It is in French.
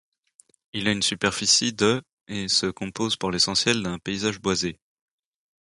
Il a une superficie de et se compose pour l'essentiel d'un paysage boisé.